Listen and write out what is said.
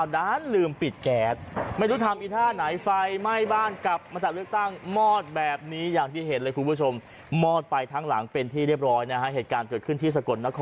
แต่พรายาทำกับข้าวนานลืมปิดแก๊ส